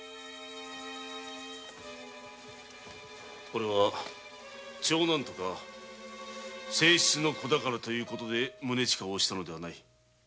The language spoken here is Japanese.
おれは長男とか正室の子だからという事で宗親を推したのではない。